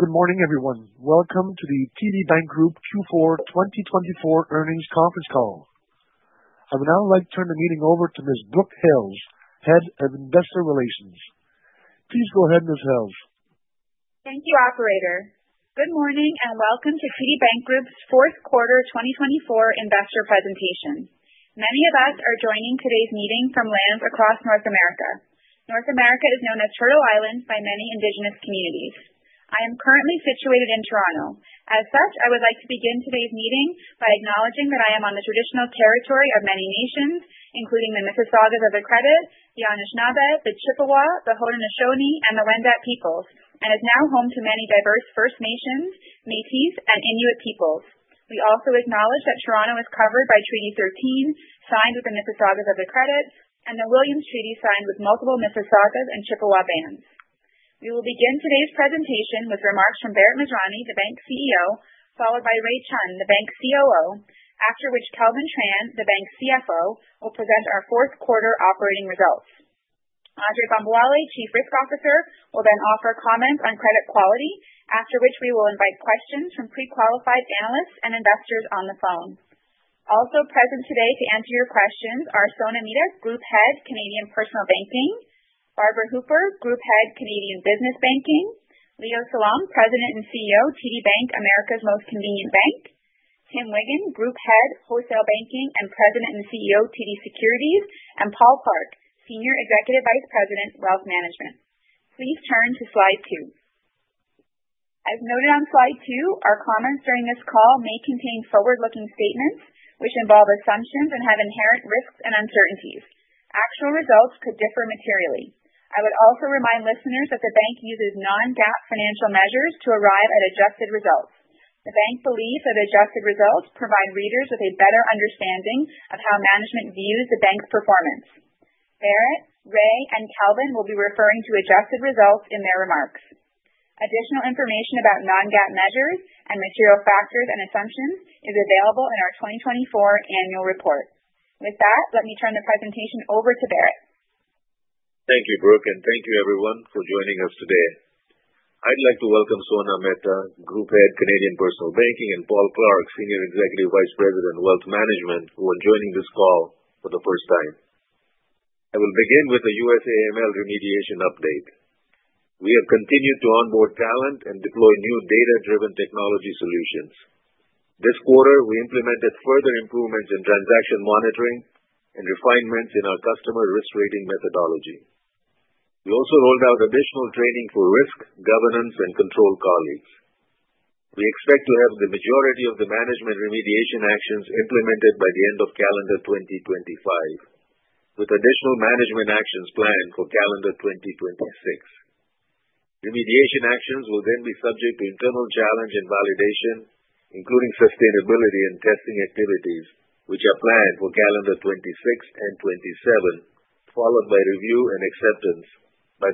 Good morning, everyone. Welcome to the TD Bank Group Q4 2024 earnings conference call. I would now like to turn the meeting over to Ms. Brooke Hales, Head of Investor Relations. Please go ahead, Ms. Hales. Thank you, Operator. Good morning and welcome to TD Bank Group's fourth quarter 2024 investor presentation. Many of us are joining today's meeting from lands across North America. North America is known as Turtle Island by many Indigenous communities. I am currently situated in Toronto. As such, I would like to begin today's meeting by acknowledging that I am on the traditional territory of many nations, including the Mississaugas of the Credit, the Anishinaabe, the Chippewa, the Haudenosaunee, and the Wendat peoples, and is now home to many diverse First Nations, Métis, and Inuit peoples. We also acknowledge that Toronto is covered by Treaty 13, signed with the Mississaugas of the Credit, and the Williams Treaty, signed with multiple Mississaugas and Chippewa bands. We will begin today's presentation with remarks from Bharat Masrani, the Bank CEO, followed by Ray Chun, the Bank COO, after which Kelvin Tran, the Bank CFO, will present our fourth quarter operating results. Ajai Bambawale, Chief Risk Officer, will then offer comments on credit quality, after which we will invite questions from pre-qualified analysts and investors on the phone. Also present today to answer your questions are Sona Mehta, Group Head, Canadian Personal Banking; Barbara Hooper, Group Head, Canadian Business Banking; Leo Salom, President and CEO, TD Bank, America's Most Convenient Bank; Tim Wiggan, Group Head, Wholesale Banking and President and CEO, TD Securities; and Paul Clark, Senior Executive Vice President, Wealth Management. Please turn to slide two. As noted on slide two, our comments during this call may contain forward-looking statements which involve assumptions and have inherent risks and uncertainties. Actual results could differ materially. I would also remind listeners that the Bank uses non-GAAP financial measures to arrive at adjusted results. The Bank believes that adjusted results provide readers with a better understanding of how management views the Bank's performance. Bharat, Ray, and Kelvin will be referring to adjusted results in their remarks. Additional information about non-GAAP measures and material factors and assumptions is available in our 2024 annual report. With that, let me turn the presentation over to Bharat. Thank you, Brooke, and thank you, everyone, for joining us today. I'd like to welcome Sona Mehta, Group Head, Canadian Personal Banking, and Paul Clark, Senior Executive Vice President, Wealth Management, who are joining this call for the first time. I will begin with the U.S. AML remediation update. We have continued to onboard talent and deploy new data-driven technology solutions. This quarter, we implemented further improvements in transaction monitoring and refinements in our customer risk rating methodology. We also rolled out additional training for risk, governance, and control colleagues. We expect to have the majority of the management remediation actions implemented by the end of calendar 2025, with additional management actions planned for calendar 2026. Remediation actions will then be subject to internal challenge and validation, including sustainability and testing activities, which are planned for calendar 2026 and 2027, followed by review and acceptance by the monitorship. We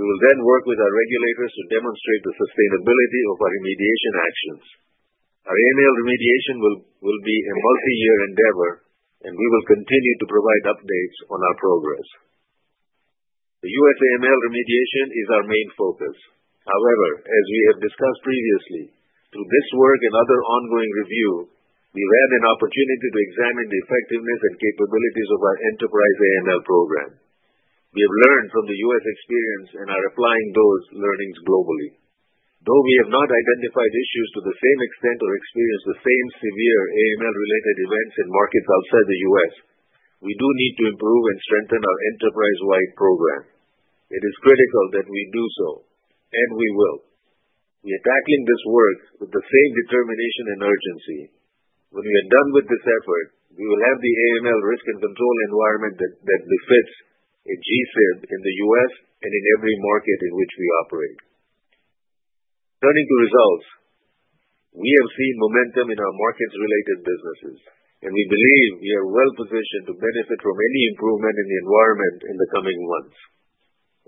will then work with our regulators to demonstrate the sustainability of our remediation actions. Our AML remediation will be a multi-year endeavor, and we will continue to provide updates on our progress. The U.S. AML remediation is our main focus. However, as we have discussed previously, through this work and other ongoing review, we've had an opportunity to examine the effectiveness and capabilities of our enterprise AML program. We have learned from the U.S. experience and are applying those learnings globally. Though we have not identified issues to the same extent or experienced the same severe AML-related events in markets outside the U.S., we do need to improve and strengthen our enterprise-wide program. It is critical that we do so, and we will. We are tackling this work with the same determination and urgency. When we are done with this effort, we will have the AML risk and control environment that befits a G-SIB in the U.S. and in every market in which we operate. Turning to results, we have seen momentum in our markets-related businesses, and we believe we are well positioned to benefit from any improvement in the environment in the coming months.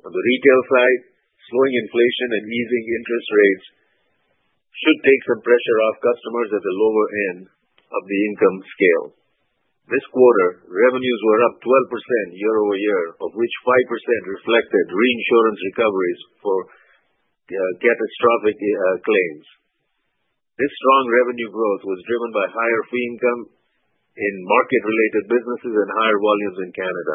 On the retail side, slowing inflation and easing interest rates should take some pressure off customers at the lower end of the income scale. This quarter, revenues were up 12% year-over-year, of which 5% reflected reinsurance recoveries for catastrophic claims. This strong revenue growth was driven by higher fee income in market-related businesses and higher volumes in Canada.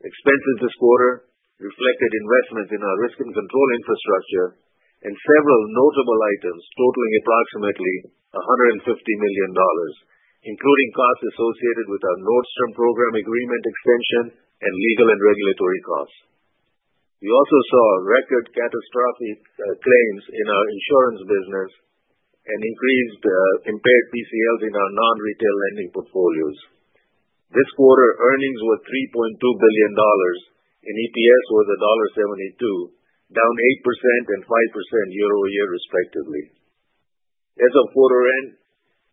Expenses this quarter reflected investments in our risk and control infrastructure and several notable items totaling approximately 150 million dollars, including costs associated with our Nordstrom program agreement extension and legal and regulatory costs. We also saw record catastrophic claims in our insurance business and increased impaired PCLs in our non-retail lending portfolios. This quarter, earnings were 3.2 billion dollars and EPS was dollar 1.72, down 8% and 5% year-over-year, respectively. As of quarter end,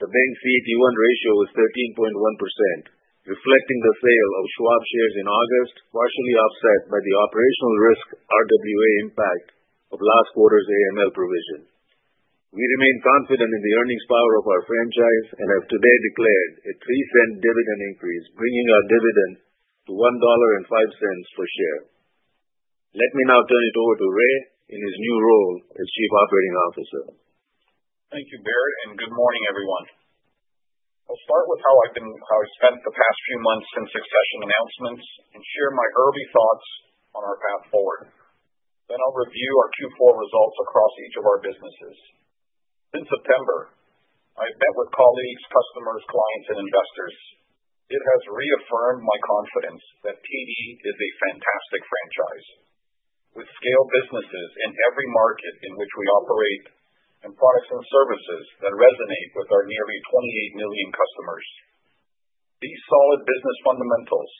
the Bank's CET1 ratio was 13.1%, reflecting the sale of Schwab shares in August, partially offset by the operational risk RWA impact of last quarter's AML provision. We remain confident in the earnings power of our franchise and have today declared a 0.03 dividend increase, bringing our dividend to 1.05 dollar per share. Let me now turn it over to Ray in his new role as Chief Operating Officer. Thank you, Bharat and good morning, everyone. I'll start with how I've spent the past few months since succession announcements and share my early thoughts on our path forward. Then I'll review our Q4 results across each of our businesses. Since September, I've met with colleagues, customers, clients, and investors. It has reaffirmed my confidence that TD is a fantastic franchise with scaled businesses in every market in which we operate and products and services that resonate with our nearly 28 million customers. These solid business fundamentals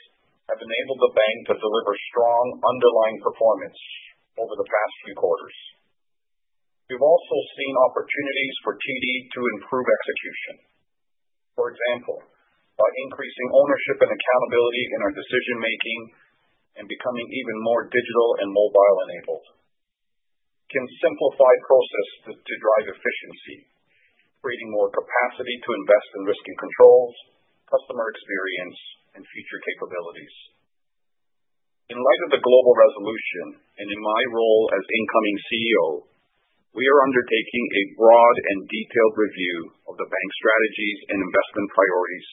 have enabled the Bank to deliver strong underlying performance over the past few quarters. We've also seen opportunities for TD to improve execution, for example, by increasing ownership and accountability in our decision-making and becoming even more digital and mobile-enabled. We can simplify processes to drive efficiency, creating more capacity to invest in risk and controls, customer experience, and future capabilities. In light of the global resolution and in my role as incoming CEO, we are undertaking a broad and detailed review of the Bank's strategies and investment priorities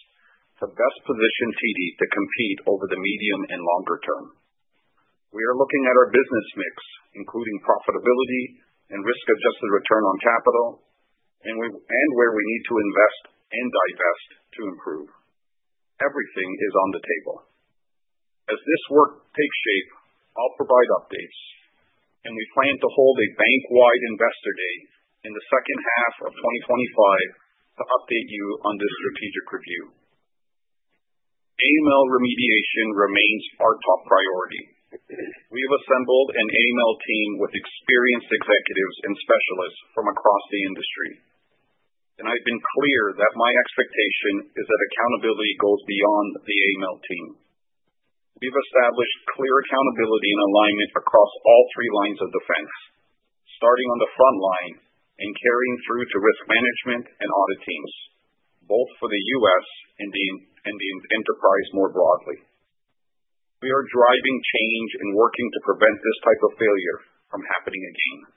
to best position TD to compete over the medium and longer term. We are looking at our business mix, including profitability and risk-adjusted return on capital, and where we need to invest and divest to improve. Everything is on the table. As this work takes shape, I'll provide updates, and we plan to hold a bank-wide Investor Day in the H2 of 2025 to update you on this strategic review. AML remediation remains our top priority. We have assembled an AML team with experienced executives and specialists from across the industry, and I've been clear that my expectation is that accountability goes beyond the AML team. We've established clear accountability and alignment across all three lines of defense, starting on the front line and carrying through to risk management and audit teams, both for the U.S. and the enterprise more broadly. We are driving change and working to prevent this type of failure from happening again.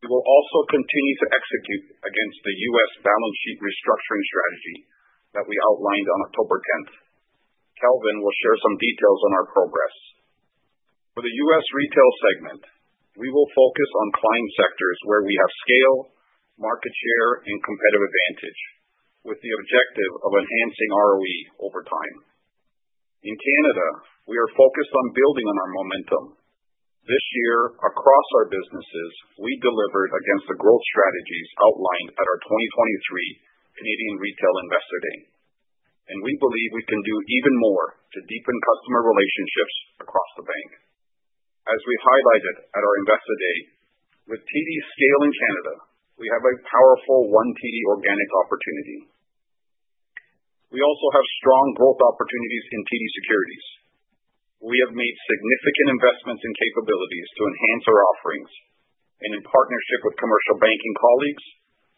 We will also continue to execute against the U.S. balance sheet restructuring strategy that we outlined on October 10th. Kelvin will share some details on our progress. For the U.S. retail segment, we will focus on client sectors where we have scale, market share, and competitive advantage, with the objective of enhancing ROE over time. In Canada, we are focused on building on our momentum. This year, across our businesses, we delivered against the growth strategies outlined at our 2023 Canadian Retail Investor Day, and we believe we can do even more to deepen customer relationships across the Bank. As we highlighted at our Investor Day, with TD scale in Canada, we have a powerful OneTD organics opportunity. We also have strong growth opportunities in TD Securities. We have made significant investments in capabilities to enhance our offerings, and in partnership with commercial banking colleagues,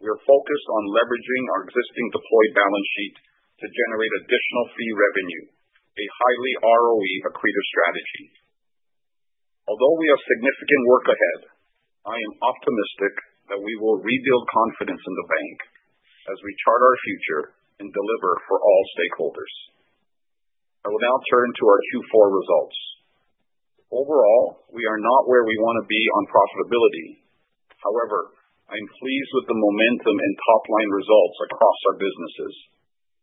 we are focused on leveraging our existing deployed balance sheet to generate additional fee revenue, a highly ROE-accretive strategy. Although we have significant work ahead, I am optimistic that we will rebuild confidence in the Bank as we chart our future and deliver for all stakeholders. I will now turn to our Q4 results. Overall, we are not where we want to be on profitability. However, I am pleased with the momentum and top-line results across our businesses,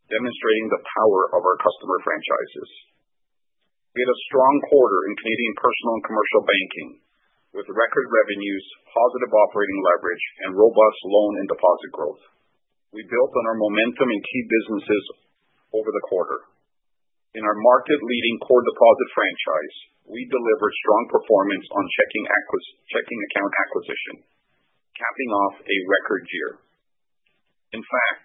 demonstrating the power of our customer franchises. We had a strong quarter in Canadian personal and commercial banking with record revenues, positive operating leverage, and robust loan and deposit growth. We built on our momentum in key businesses over the quarter. In our market-leading core deposit franchise, we delivered strong performance on checking account acquisition, capping off a record year. In fact,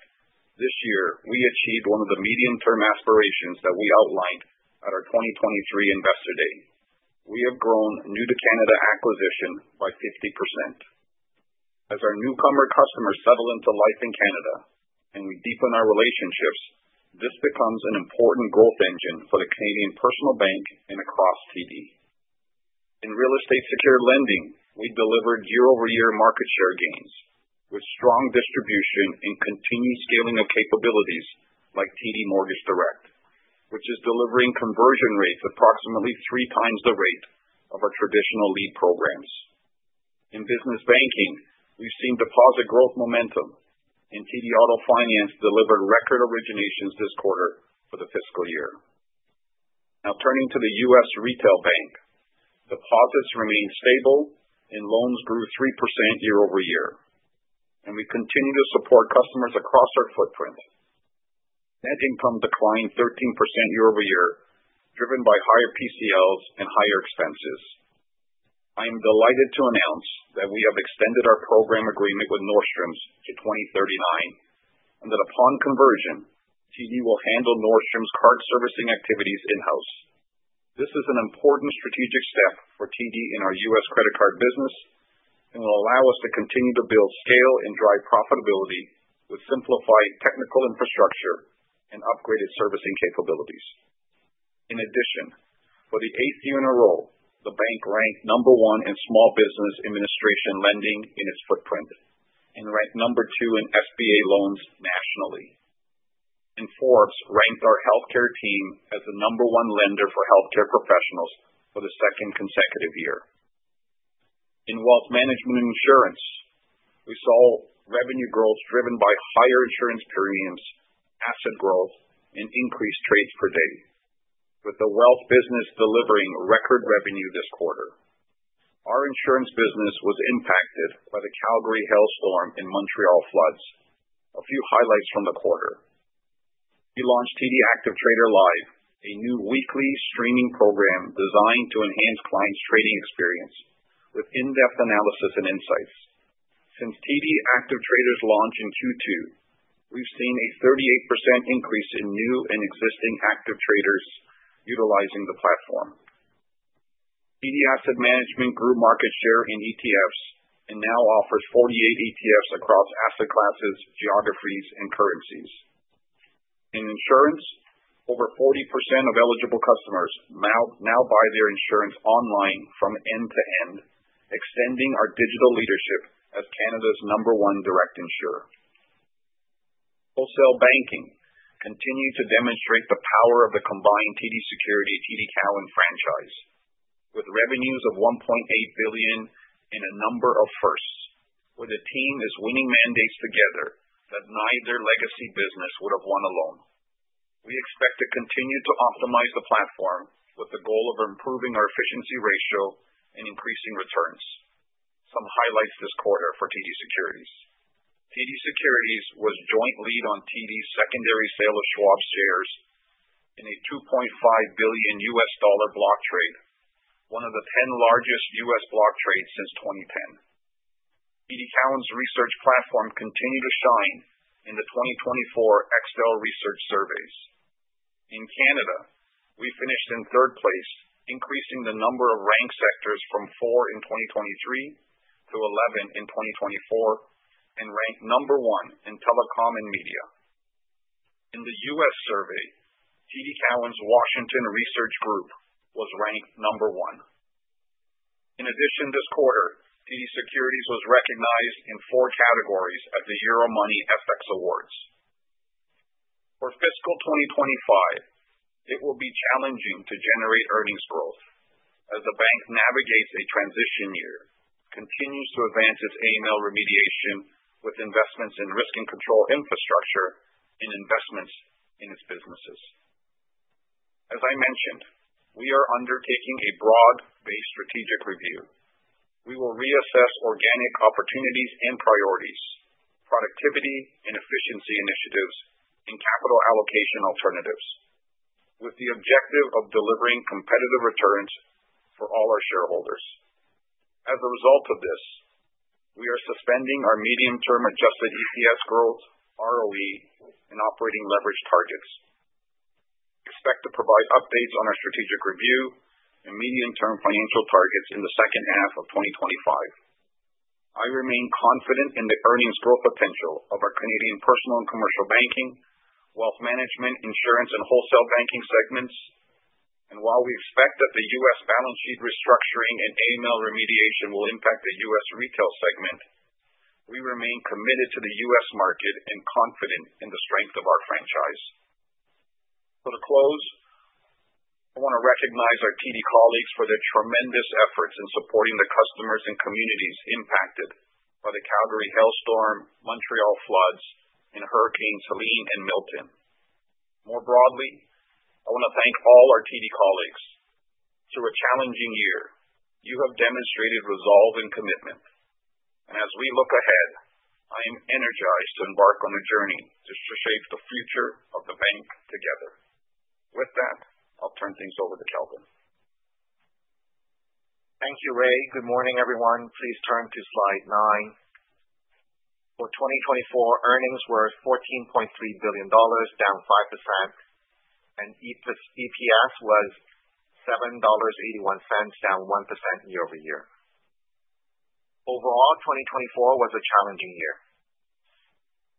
this year, we achieved one of the medium-term aspirations that we outlined at our 2023 Investor Day. We have grown new-to-Canada acquisition by 50%. As our newcomer customers settle into life in Canada and we deepen our relationships, this becomes an important growth engine for the Canadian personal bank and across TD. In real estate secured lending, we delivered year-over-year market share gains with strong distribution and continued scaling of capabilities like TD Mortgage Direct, which is delivering conversion rates approximately three times the rate of our traditional lead programs. In business banking, we've seen deposit growth momentum, and TD Auto Finance delivered record originations this quarter for the fiscal year. Now turning to the U.S. retail bank, deposits remained stable, and loans grew 3% year-over-year, and we continue to support customers across our footprint. Net income declined 13% year-over-year, driven by higher PCLs and higher expenses. I am delighted to announce that we have extended our program agreement with Nordstrom's to 2039 and that upon conversion, TD will handle Nordstrom's card servicing activities in-house. This is an important strategic step for TD in our U.S. credit card business and will allow us to continue to build scale and drive profitability with simplified technical infrastructure and upgraded servicing capabilities. In addition, for the eighth year in a row, the Bank ranked number one in Small Business Administration lending in its footprint and ranked number two in SBA loans nationally. Forbes ranked our healthcare team as the number one lender for healthcare professionals for the second consecutive year. In wealth management and insurance, we saw revenue growth driven by higher insurance premiums, asset growth, and increased trades per day, with the wealth business delivering record revenue this quarter. Our insurance business was impacted by the Calgary hailstorm and Montreal floods. A few highlights from the quarter: we launched TD Active Trader Live, a new weekly streaming program designed to enhance clients' trading experience with in-depth analysis and insights. Since TD Active Traders' launch in Q2, we've seen a 38% increase in new and existing active traders utilizing the platform. TD Asset Management grew market share in ETFs and now offers 48 ETFs across asset classes, geographies, and currencies. In insurance, over 40% of eligible customers now buy their insurance online from end to end, extending our digital leadership as Canada's number one direct insurer. Wholesale banking continued to demonstrate the power of the combined TD Securities, TD Cowen, and franchise, with revenues of $1.8 billion and a number of firsts, where the team is winning mandates together that neither legacy business would have won alone. We expect to continue to optimize the platform with the goal of improving our efficiency ratio and increasing returns. Some highlights this quarter for TD Securities: TD Securities was joint lead on TD's secondary sale of Schwab's shares in a $2.5 billion USD block trade, one of the 10 largest U.S. block trades since 2010. TD Cowen's research platform continued to shine in the 2024 Extel research surveys. In Canada, we finished in third place, increasing the number of ranked sectors from four in 2023 to 11 in 2024 and ranked number one in telecom and media. In the U.S. survey, TD Cowen's Washington research group was ranked number one. In addition, this quarter, TD Securities was recognized in four categories at the Euromoney FX Awards. For fiscal 2025, it will be challenging to generate earnings growth as the Bank navigates a transition year, continues to advance its AML remediation with investments in risk and control infrastructure and investments in its businesses. As I mentioned, we are undertaking a broad-based strategic review. We will reassess organic opportunities and priorities, productivity and efficiency initiatives, and capital allocation alternatives with the objective of delivering competitive returns for all our shareholders. As a result of this, we are suspending our medium-term adjusted EPS growth, ROE, and operating leverage targets. Expect to provide updates on our strategic review and medium-term financial targets in the H2 of 2025. I remain confident in the earnings growth potential of our Canadian personal and commercial banking, wealth management, insurance, and wholesale banking segments, and while we expect that the U.S. balance sheet restructuring and AML remediation will impact the U.S. retail segment, we remain committed to the U.S. market and confident in the strength of our franchise. So to close, I want to recognize our TD colleagues for their tremendous efforts in supporting the customers and communities impacted by the Calgary hailstorm, Montreal floods, and Hurricane Helene and Milton. More broadly, I want to thank all our TD colleagues. Through a challenging year, you have demonstrated resolve and commitment, and as we look ahead, I am energized to embark on a journey to shape the future of the Bank together. With that, I'll turn things over to Kelvin. Thank you, Ray. Good morning, everyone. Please turn to slide nine. For 2024, earnings were 14.3 billion dollars, down 5%, and EPS was 7.81 dollars, down 1% year-over-year. Overall, 2024 was a challenging year.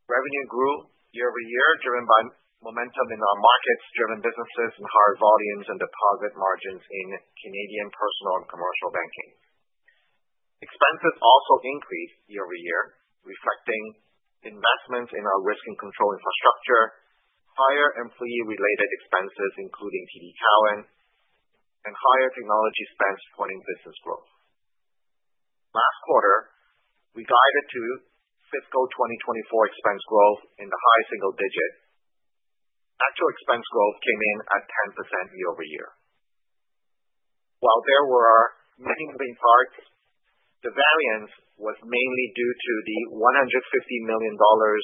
Revenue grew year-over-year, driven by momentum in our markets, driven businesses in higher volumes and deposit margins in Canadian personal and commercial banking. Expenses also increased year-over-year, reflecting investments in our risk and control infrastructure, higher employee-related expenses, including TD Cowen, and higher technology spend supporting business growth. Last quarter, we guided to fiscal 2024 expense growth in the high single digit. Actual expense growth came in at 10% year-over-year. While there were many moving parts, the variance was mainly due to the 150 million dollars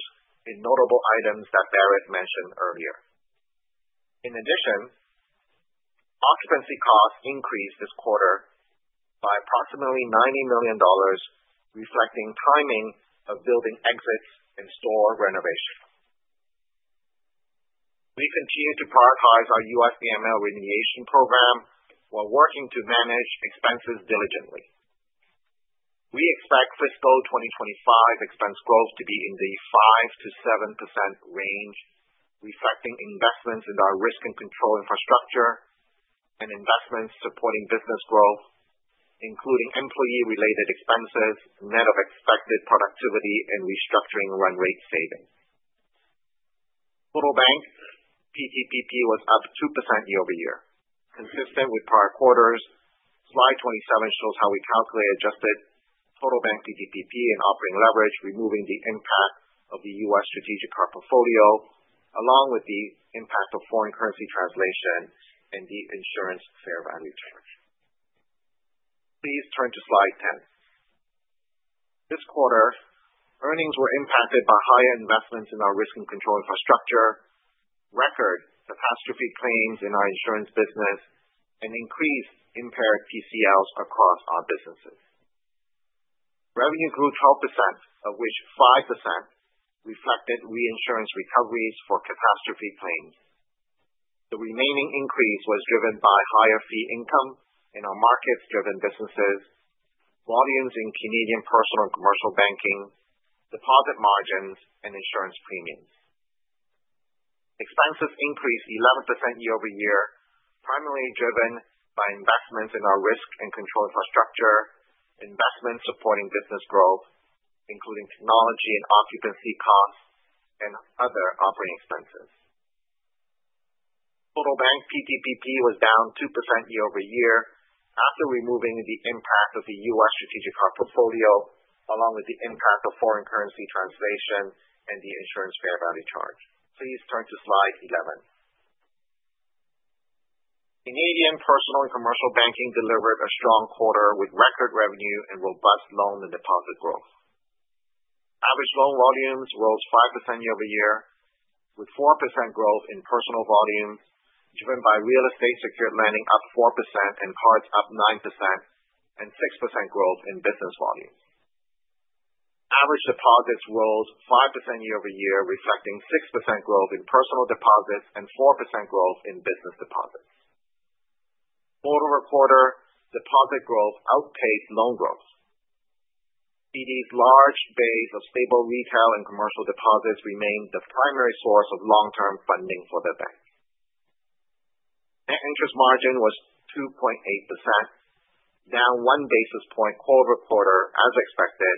in notable items that Bharat mentioned earlier. In addition, occupancy costs increased this quarter by approximately 90 million dollars, reflecting timing of building exits and store renovation. We continue to prioritize our U.S. AML remediation program while working to manage expenses diligently. We expect fiscal 2025 expense growth to be in the 5% to 7% range, reflecting investments in our risk and control infrastructure and investments supporting business growth, including employee-related expenses, net of expected productivity, and restructuring run rate savings. Total Bank PTPP was up 2% year-over-year, consistent with prior quarters. Slide 27 shows how we calculated adjusted Total Bank PTPP and operating leverage, removing the impact of the U.S. strategic card portfolio, along with the impact of foreign currency translation and the insurance fair value charge. Please turn to slide 10. This quarter, earnings were impacted by higher investments in our risk and control infrastructure, record catastrophe claims in our insurance business, and increased impaired PCLs across our businesses. Revenue grew 12%, of which 5% reflected reinsurance recoveries for catastrophe claims. The remaining increase was driven by higher fee income in our markets-driven businesses, volumes in Canadian personal and commercial banking, deposit margins, and insurance premiums. Expenses increased 11% year-over-year, primarily driven by investments in our risk and control infrastructure, investments supporting business growth, including technology and occupancy costs, and other operating expenses. Total Bank PTPP was down 2% year-over-year after removing the impact of the US strategic card portfolio, along with the impact of foreign currency translation and the insurance fair value charge. Please turn to slide 11. Canadian personal and commercial banking delivered a strong quarter with record revenue and robust loan and deposit growth. Average loan volumes rose 5% year-over-year, with 4% growth in personal volumes, driven by real estate secured lending up 4% and cards up 9%, and 6% growth in business volumes. Average deposits rose 5% year-over-year, reflecting 6% growth in personal deposits and 4% growth in business deposits. Quarter-over-quarter, deposit growth outpaced loan growth. TD's large base of stable retail and commercial deposits remained the primary source of long-term funding for the Bank. Net interest margin was 2.8%, down one basis point quarter-over-quarter, as expected,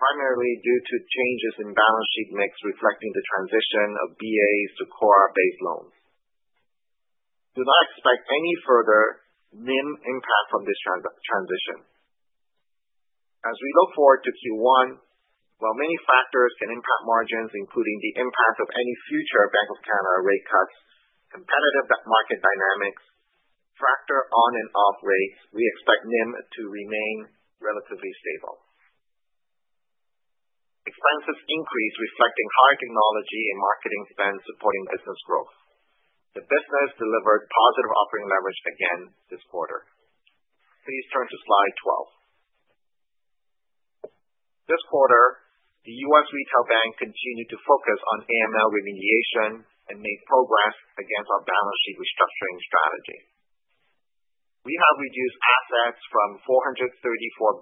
primarily due to changes in balance sheet mix reflecting the transition of BAs to CORRA-based loans. Do not expect any further NIM impact from this transition. As we look forward to Q1, while many factors can impact margins, including the impact of any future Bank of Canada rate cuts, competitive market dynamics, and tractor-on and off rates, we expect NIM to remain relatively stable. Expenses increased, reflecting high technology and marketing spend supporting business growth. The business delivered positive operating leverage again this quarter. Please turn to slide 12. This quarter, the U.S. retail bank continued to focus on AML remediation and made progress against our balance sheet restructuring strategy. We have reduced assets from $434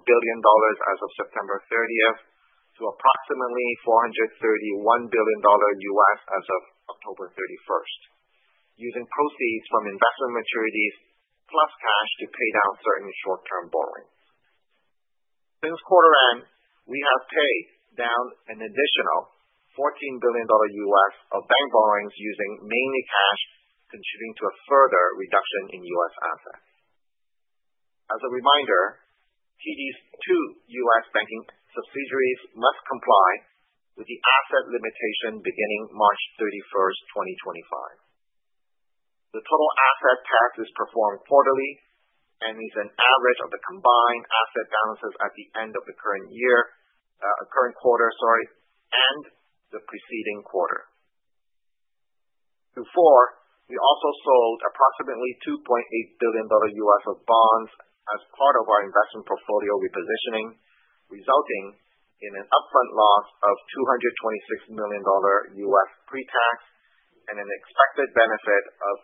billion as of September 30 to approximately $431 billion as of October 31, using proceeds from investment maturities plus cash to pay down certain short-term borrowings. Since quarter end, we have paid down an additional $14 billion of bank borrowings, using mainly cash, contributing to a further reduction in U.S. assets. As a reminder, TD's two U.S. banking subsidiaries must comply with the asset limitation beginning March 31st, 2025. The total asset test is performed quarterly and is an average of the combined asset balances at the end of the current year, current quarter, sorry, and the preceding quarter. Q4, we also sold approximately $2.8 billion of bonds as part of our investment portfolio repositioning, resulting in an upfront loss of $226 million pre-tax and an expected benefit of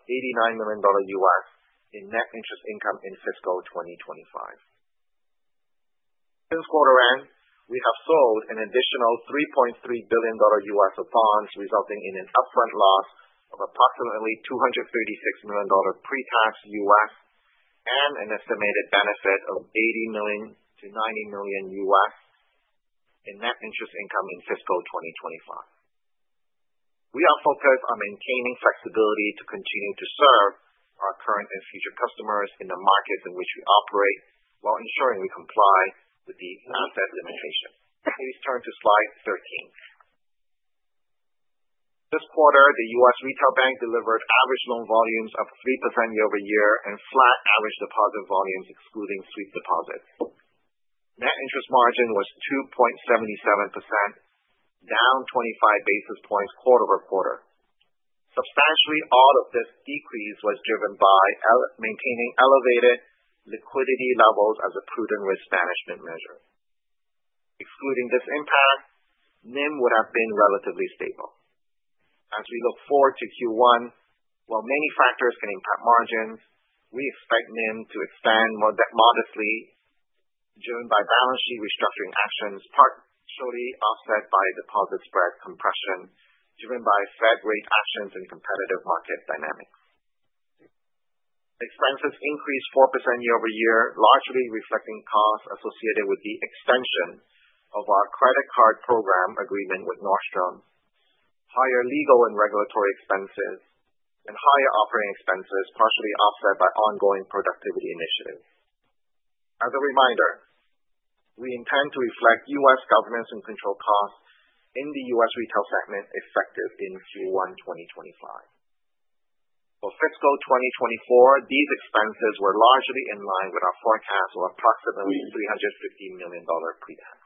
$89 million in net interest income in fiscal 2025. Since quarter end, we have sold an additional $3.3 billion of bonds, resulting in an upfront loss of approximately $236 million pre-tax and an estimated benefit of $80 million to $90 million in net interest income in fiscal 2025. We are focused on maintaining flexibility to continue to serve our current and future customers in the markets in which we operate while ensuring we comply with the asset limitation. Please turn to slide 13. This quarter, the U.S. retail bank delivered average loan volumes up 3% year-over-year and flat average deposit volumes, excluding sweep deposits. Net interest margin was 2.77%, down 25 basis points quarter-over-quarter. Substantially all of this decrease was driven by maintaining elevated liquidity levels as a prudent risk management measure. Excluding this impact, NIM would have been relatively stable. As we look forward to Q1, while many factors can impact margins, we expect NIM to expand modestly, driven by balance sheet restructuring actions, partially offset by deposit spread compression, driven by Fed rate actions and competitive market dynamics. Expenses increased 4% year-over-year, largely reflecting costs associated with the extension of our credit card program agreement with Nordstrom, higher legal and regulatory expenses, and higher operating expenses, partially offset by ongoing productivity initiatives. As a reminder, we intend to reflect U.S. governance and control costs in the U.S. retail segment effective in Q1 2025. For fiscal 2024, these expenses were largely in line with our forecast of approximately $350 million pre-tax.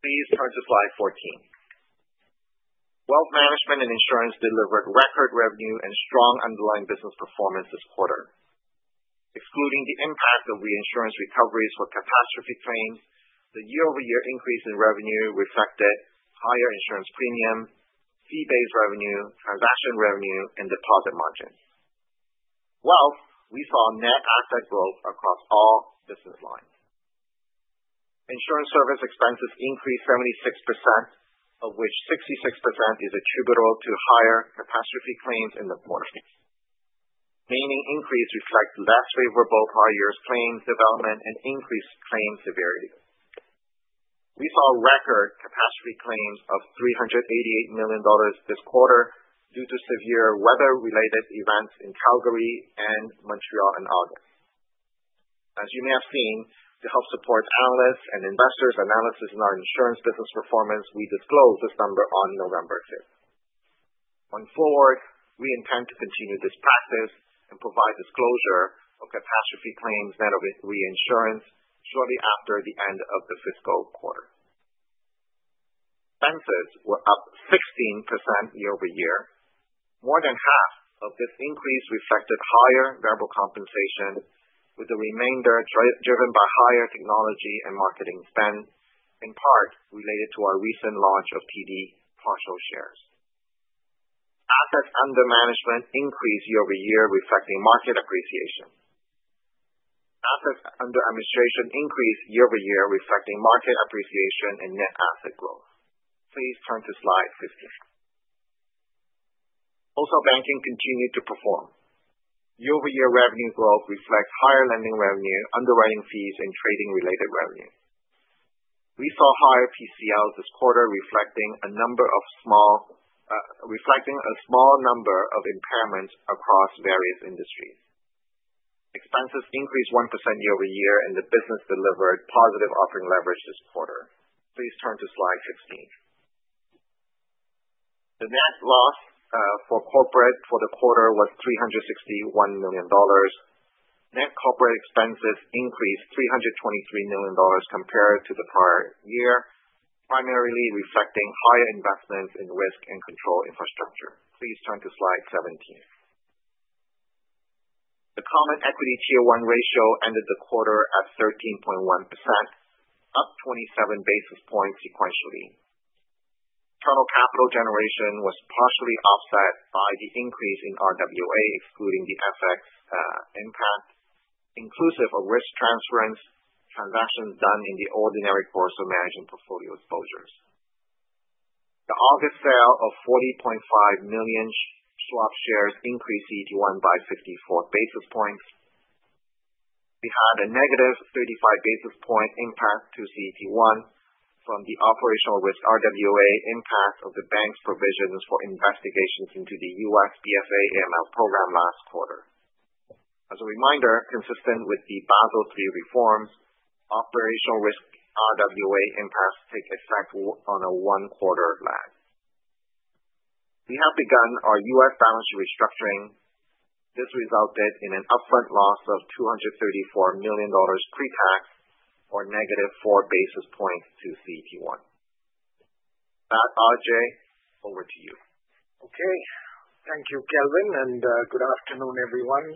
Please turn to slide 14. Wealth management and insurance delivered record revenue and strong underlying business performance this quarter. Excluding the impact of reinsurance recoveries for catastrophe claims, the year-over-year increase in revenue reflected higher insurance premium, fee-based revenue, transaction revenue, and deposit margins. While we saw net asset growth across all business lines, insurance service expenses increased 76%, of which 66% is attributable to higher catastrophe claims in the quarter. Remaining increase reflects less favorable prior years' claims development and increased claim severity. We saw record catastrophe claims of 388 million dollars this quarter due to severe weather-related events in Calgary and Montreal in August. As you may have seen, to help support analysts and investors' analysis in our insurance business performance, we disclosed this number on November 5. Going forward, we intend to continue this practice and provide disclosure of catastrophe claims net of reinsurance shortly after the end of the fiscal quarter. Expenses were up 16% year-over-year. More than half of this increase reflected higher variable compensation, with the remainder driven by higher technology and marketing spend, in part related to our recent launch of TD Partial Shares. Assets under management increased year-over-year, reflecting market appreciation. Assets under administration increased year-over-year, reflecting market appreciation and net asset growth. Please turn to slide 15. Wholesale Banking continued to perform. Year-over-year revenue growth reflects higher lending revenue, underwriting fees, and trading-related revenue. We saw higher PCLs this quarter, reflecting a small number of impairments across various industries. Expenses increased 1% year-over-year, and the business delivered positive operating leverage this quarter. Please turn to slide 16. The net loss for corporate for the quarter was 361 million dollars. Net corporate expenses increased 323 million dollars compared to the prior year, primarily reflecting higher investments in risk and control infrastructure. Please turn to slide 17. The common equity tier one ratio ended the quarter at 13.1%, up 27 basis points sequentially. Internal capital generation was partially offset by the increase in RWA, excluding the FX impact, inclusive of risk transference transactions done in the ordinary course of managing portfolio exposures. The August sale of 40.5 million Schwab shares increased CET1 by 54 basis points. We had a negative 35 basis point impact to CET1 from the operational risk RWA impact of the bank's provisions for investigations into the U.S. BSA AML program last quarter. As a reminder, consistent with the Basel III reforms, operational risk RWA impacts take effect on a one-quarter lag. We have begun our U.S. balance sheet restructuring. This resulted in an upfront loss of $234 million pre-tax, or negative 4 basis points to CET1. That, Ajai, over to you. Okay. Thank you, Kelvin, and good afternoon, everyone.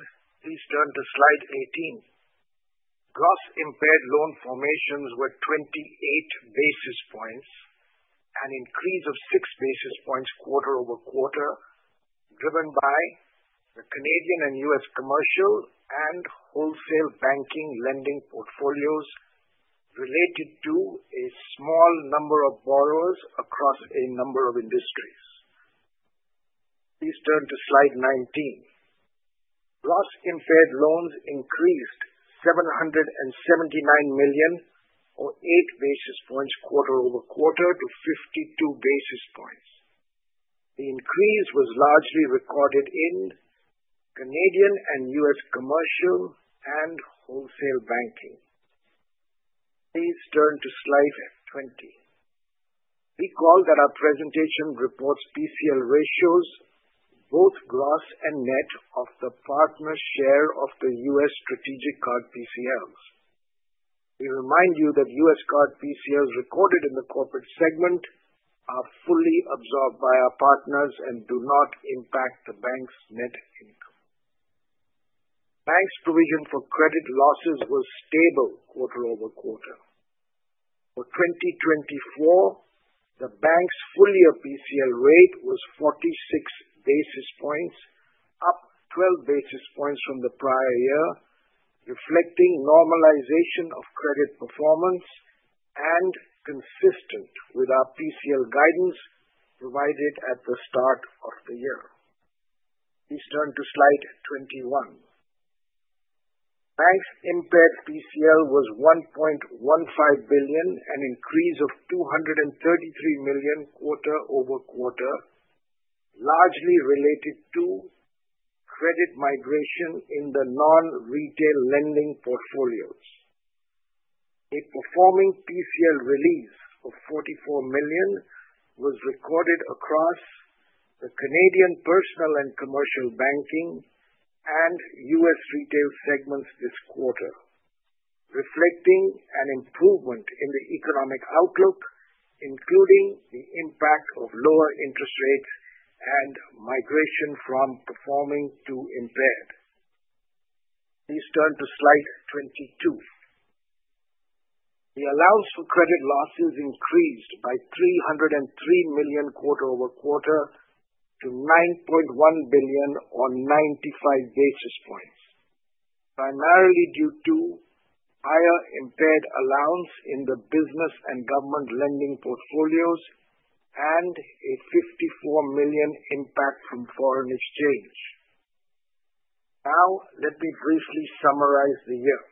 Please turn to slide 18. Gross impaired loan formations were 28 basis points, an increase of 6 basis points quarter-over-quarter, driven by the Canadian and U.S. commercial and wholesale banking lending portfolios related to a small number of borrowers across a number of industries. Please turn to slide 19. Gross impaired loans increased 779 million, or 8 basis points quarter-over-quarter, to 52 basis points. The increase was largely recorded in Canadian and U.S. commercial and wholesale banking. Please turn to slide 20. We call that our presentation reports PCL ratios, both gross and net, of the partner share of the U.S. strategic card PCLs. We remind you that U.S. card PCLs recorded in the corporate segment are fully absorbed by our partners and do not impact the bank's net income. Bank's provision for credit losses was stable quarter-over-quarter. For 2024, the bank's full-year PCL rate was 46 basis points, up 12 basis points from the prior year, reflecting normalization of credit performance and consistent with our PCL guidance provided at the start of the year. Please turn to slide 21. The bank's impaired PCL was 1.15 billion, an increase of 233 million quarter-over-quarter, largely related to credit migration in the non-retail lending portfolios. A performing PCL release of 44 million was recorded across the Canadian personal and commercial banking and U.S. retail segments this quarter, reflecting an improvement in the economic outlook, including the impact of lower interest rates and migration from performing to impaired. Please turn to slide 22. The allowance for credit losses increased by 303 million quarter-over-quarter to 9.1 billion or 95 basis points, primarily due to higher impaired allowance in the business and government lending portfolios and a 54 million impact from foreign exchange. Now, let me briefly summarize the year.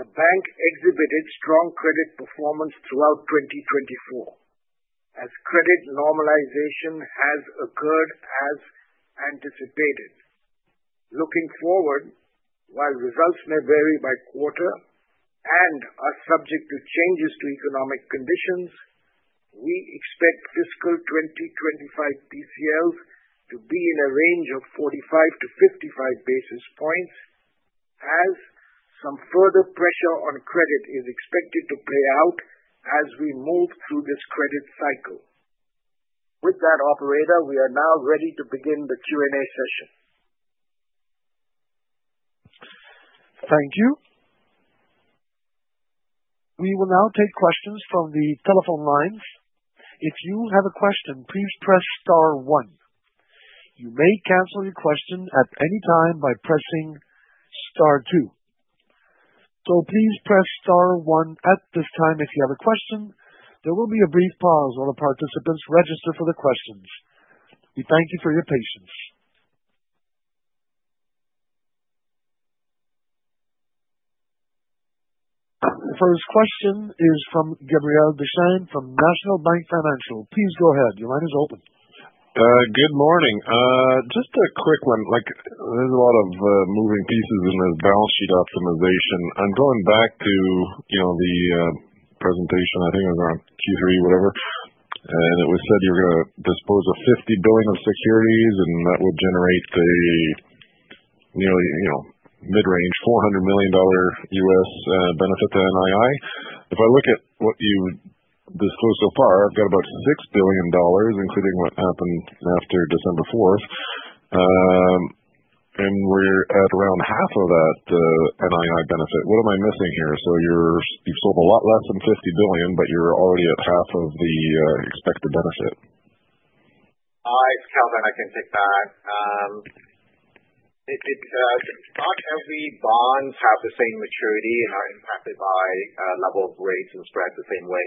The bank exhibited strong credit performance throughout 2024, as credit normalization has occurred as anticipated. Looking forward, while results may vary by quarter and are subject to changes to economic conditions, we expect fiscal 2025 PCLs to be in a range of 45 to 55 basis points, as some further pressure on credit is expected to play out as we move through this credit cycle. With that, operator, we are now ready to begin the Q&A session. Thank you. We will now take questions from the telephone lines. If you have a question, please press star one. You may cancel your question at any time by pressing star two. So please press star one at this time if you have a question. There will be a brief pause while the participants register for the questions. We thank you for your patience. The first question is from Gabriel Dechaine from National Bank Financial. Please go ahead. Your line is open. Good morning. Just a quick one. There's a lot of moving pieces in this balance sheet optimization. I'm going back to the presentation. I think it was on Q3, whatever. And it was said you were going to dispose of $50 billion of securities, and that would generate a nearly mid-range $400 million USD benefit to NII. If I look at what you disclosed so far, I've got about $6 billion, including what happened after December 4. And we're at around half of that NII benefit. What am I missing here? So you've sold a lot less than $50 billion, but you're already at half of the expected benefit. Hi, it's Kelvin. I can take that. Not every bond has the same maturity and are impacted by level of rates and spread the same way.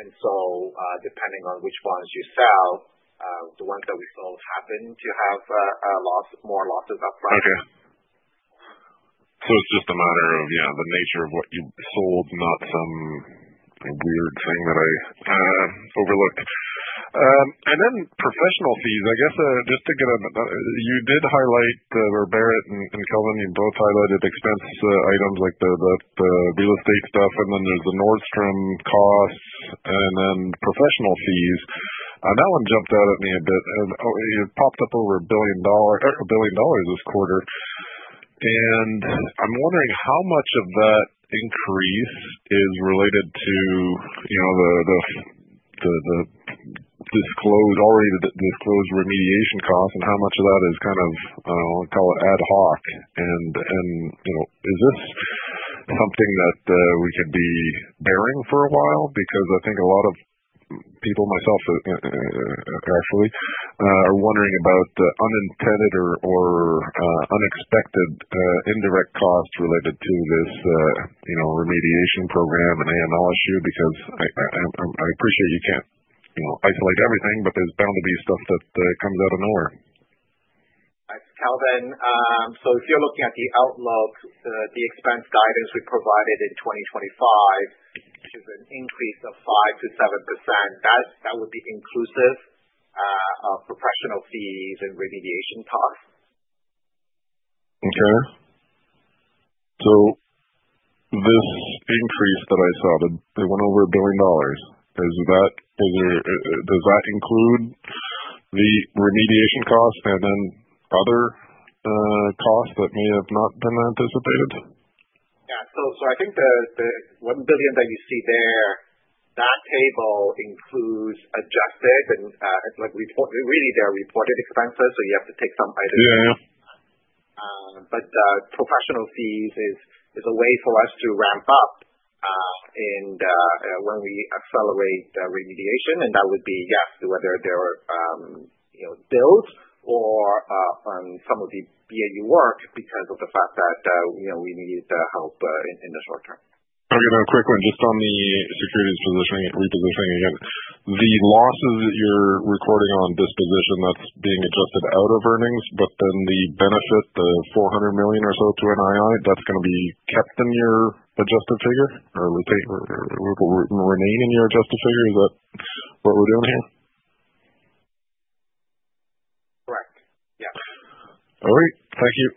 And so depending on which bonds you sell, the ones that we sold happen to have more losses upfront. Okay. So it's just a matter of the nature of what you sold, not some weird thing that I overlooked. And then professional fees, I guess, just to get a you did highlight, or Bharat and Kelvin, you both highlighted expense items like the real estate stuff, and then there's the Nordstrom costs, and then professional fees. That one jumped out at me a bit. It popped up over 1 billion dollars this quarter. And I'm wondering how much of that increase is related to the already disclosed remediation costs, and how much of that is kind of, I'll call it ad hoc. And is this something that we could be bearing for a while? Because I think a lot of people, myself actually, are wondering about the unintended or unexpected indirect costs related to this remediation program and AML issue. Because I appreciate you can't isolate everything, but there's bound to be stuff that comes out of nowhere. Kelvin, so if you're looking at the outlook, the expense guidance we provided in 2025, which is an increase of 5%-7%, that would be inclusive of professional fees and remediation costs. Okay. So this increase that I saw, they went over 1 billion dollars. Does that include the remediation costs and then other costs that may have not been anticipated? Yeah. So I think the 1 billion that you see there, that table includes adjusted, and really they're reported expenses, so you have to take some items out. But professional fees is a way for us to ramp up when we accelerate remediation. And that would be, yes, whether they're billed or on some of the BAU work because of the fact that we needed the help in the short term. I've got a quick one. Just on the securities repositioning again, the losses that you're recording on disposition, that's being adjusted out of earnings, but then the benefit, the 400 million or so to NII, that's going to be kept in your adjusted figure or remain in your adjusted figure? Is that what we're doing here? Correct. Yes. All right. Thank you.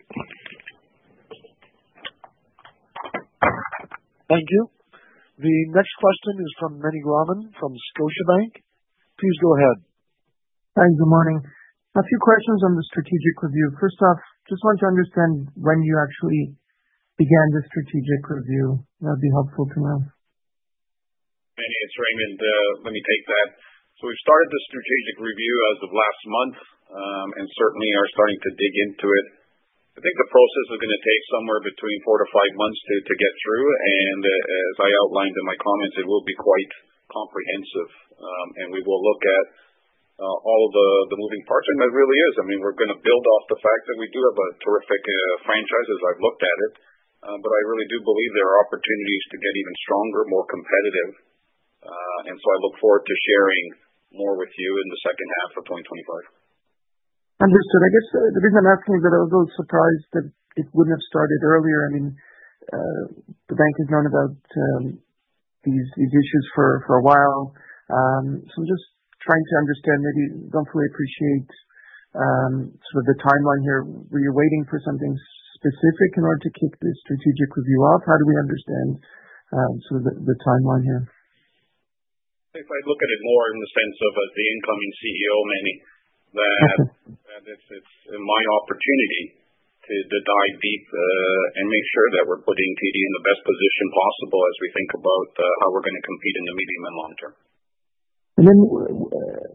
Thank you. The next question is from Meny Grauman from Scotiabank. Please go ahead. Hi. Good morning. A few questions on the strategic review. First off, just want to understand when you actually began the strategic review. That'd be helpful to know. Meny, it's Ray. Let me take that. So we've started the strategic review as of last month, and certainly are starting to dig into it. I think the process is going to take somewhere between four to five months to get through, and as I outlined in my comments, it will be quite comprehensive, and we will look at all of the moving parts. And it really is. I mean, we're going to build off the fact that we do have a terrific franchise as I've looked at it, but I really do believe there are opportunities to get even stronger, more competitive, and so I look forward to sharing more with you in the H2 of 2025. Understood. I guess the reason I'm asking is that I was a little surprised that it wouldn't have started earlier. I mean, the bank has known about these issues for a while. So I'm just trying to understand. Maybe don't fully appreciate sort of the timeline here. Were you waiting for something specific in order to kick this strategic review off? How do we understand sort of the timeline here? If I look at it more in the sense of the incoming CEO, Meny, that it's my opportunity to dive deep and make sure that we're putting TD in the best position possible as we think about how we're going to compete in the medium and long term. And then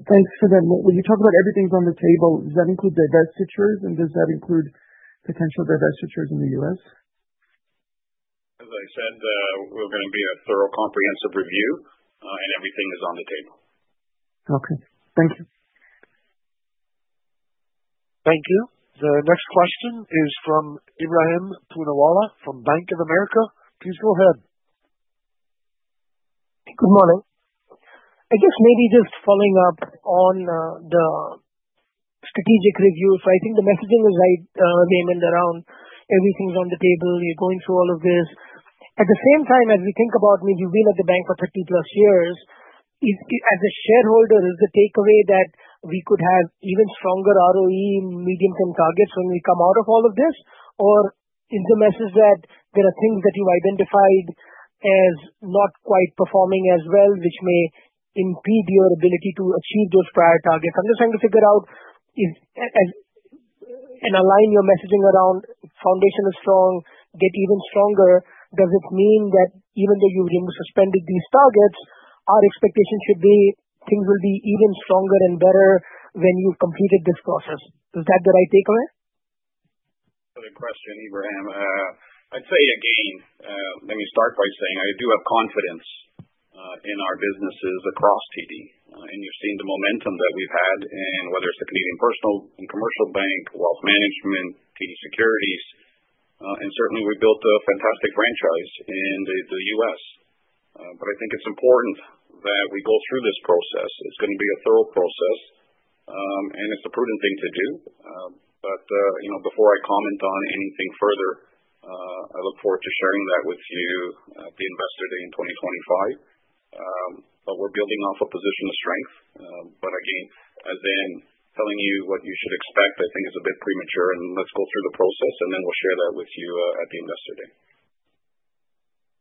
thanks for that. When you talk about everything's on the table, does that include divestitures, and does that include potential divestitures in the U.S.? As I said, we're going to be a thorough, comprehensive review, and everything is on the table. Okay. Thank you. Thank you. The next question is from Ebrahim Poonawala from Bank of America. Please go ahead. Good morning. I guess maybe just following up on the strategic review. So I think the messaging is right, Ray, around everything's on the table. You're going through all of this. At the same time, as we think about, I mean, you've been at the bank for 30+ years. As a shareholder, is the takeaway that we could have even stronger ROE, medium-term targets when we come out of all of this? Or is the message that there are things that you've identified as not quite performing as well, which may impede your ability to achieve those prior targets? I'm just trying to figure out and align your messaging around foundation is strong, get even stronger. Does it mean that even though you've suspended these targets, our expectation should be things will be even stronger and better when you've completed this process? Is that the right takeaway? Good question, Ebrahim. I'd say again, let me start by saying I do have confidence in our businesses across TD. And you've seen the momentum that we've had in whether it's the Canadian personal and commercial bank, Wealth Management, TD Securities. And certainly, we built a fantastic franchise in the U.S. But I think it's important that we go through this process. It's going to be a thorough process, and it's a prudent thing to do. But before I comment on anything further, I look forward to sharing that with you at the Investor Day in 2025. But we're building off a position of strength. But again, as in telling you what you should expect, I think it's a bit premature. And let's go through the process, and then we'll share that with you at the Investor Day.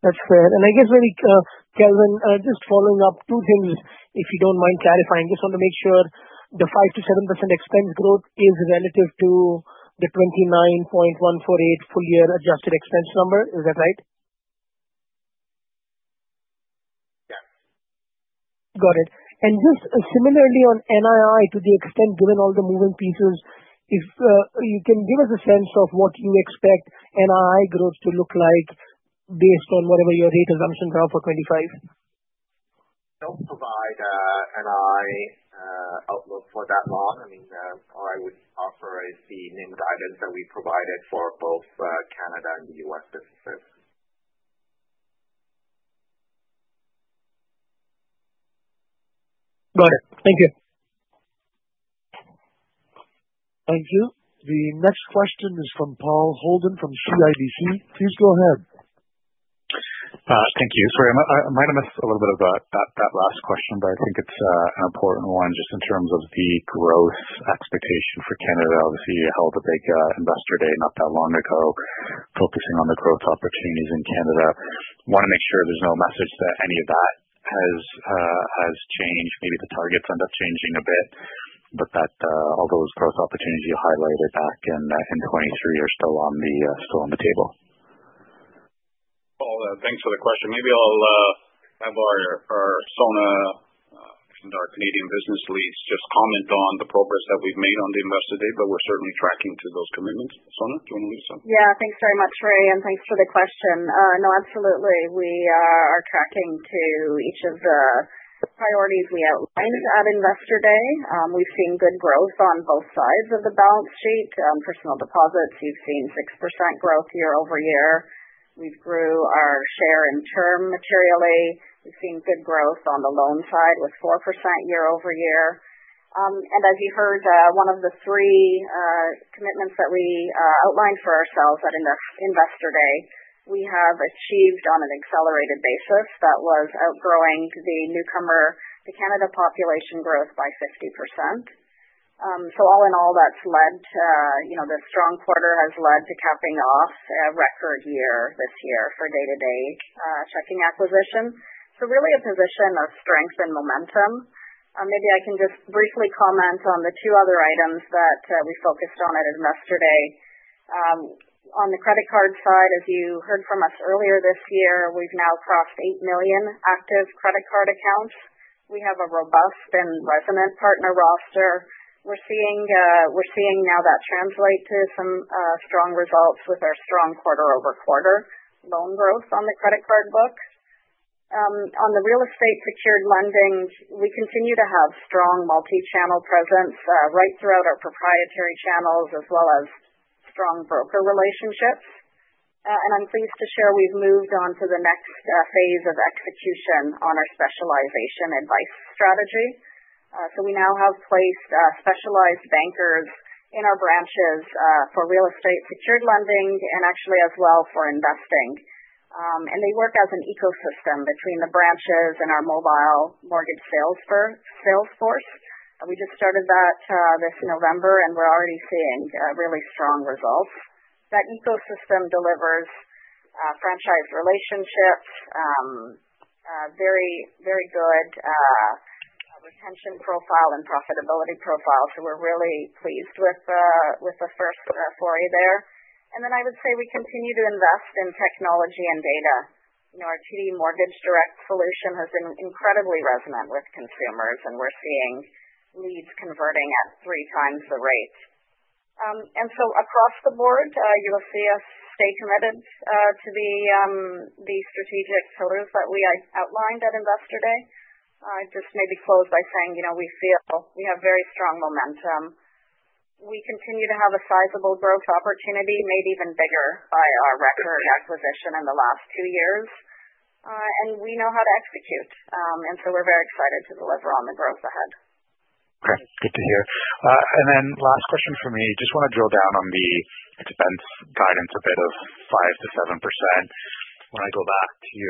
That's fair. And I guess, really, Kelvin, just following up two things, if you don't mind clarifying. Just want to make sure the 5%-7% expense growth is relative to the 29.148 full-year adjusted expense number. Is that right? Yes. Got it. And just similarly on NII, to the extent, given all the moving pieces, if you can give us a sense of what you expect NII growth to look like based on whatever your rate assumptions are for 2025? Don't provide NII outlook for that long. I mean, all I would offer is the NIM guidance that we provided for both Canada and the U.S. businesses. Got it. Thank you. Thank you. The next question is from Paul Holden from CIBC. Please go ahead. Thank you. I might have missed a little bit of that last question, but I think it's an important one just in terms of the growth expectation for Canada. Obviously, you held a big Investor Day not that long ago focusing on the growth opportunities in Canada. Want to make sure there's no message that any of that has changed. Maybe the targets end up changing a bit, but that all those growth opportunities you highlighted back in 2023 are still on the table. Well, thanks for the question. Maybe I'll have our Sona, our Canadian business leads, just comment on the progress that we've made on the Investor Day, but we're certainly tracking to those commitments. Sona, do you want to lead us on? Yeah. Thanks very much, Ray. And thanks for the question. No, absolutely. We are tracking to each of the priorities we outlined at Investor Day. We've seen good growth on both sides of the balance sheet. Personal deposits, you've seen 6% growth year-over-year. We've grew our share in term materially. We've seen good growth on the loan side with 4% year-over-year. And as you heard, one of the three commitments that we outlined for ourselves at Investor Day, we have achieved on an accelerated basis that was outgrowing the newcomer to the Canadian population growth by 50%. So all in all, that's led to the strong quarter has led to capping off a record year this year for everyday checking acquisition. So really a position of strength and momentum. Maybe I can just briefly comment on the two other items that we focused on at Investor Day. On the credit card side, as you heard from us earlier this year, we've now crossed 8 million active credit card accounts. We have a robust and resonant partner roster. We're seeing now that translate to some strong results with our strong quarter-over-quarter loan growth on the credit card book. On the real estate secured lending, we continue to have strong multi-channel presence right throughout our proprietary channels as well as strong broker relationships. And I'm pleased to share we've moved on to the next phase of execution on our specialization advice strategy. So we now have placed specialized bankers in our branches for real estate secured lending and actually as well for investing. And they work as an ecosystem between the branches and our mobile mortgage sales force. We just started that this November, and we're already seeing really strong results. That ecosystem delivers franchise relationships, very good retention profile and profitability profile. So we're really pleased with the first story there. And then I would say we continue to invest in technology and data. Our TD Mortgage Direct solution has been incredibly resonant with consumers, and we're seeing leads converting at three times the rate. And so across the board, you'll see us stay committed to the strategic pillars that we outlined at Investor Day. Just maybe close by saying we feel we have very strong momentum. We continue to have a sizable growth opportunity, made even bigger by our record acquisition in the last two years. And we know how to execute. And so we're very excited to deliver on the growth ahead. Okay. Good to hear. And then last question for me. Just want to drill down on the expense guidance a bit of 5%-7%. When I go back to